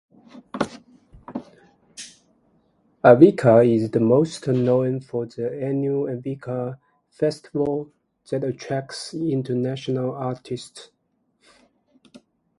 Arvika is most known for the annual Arvika Festival that attracts international artists.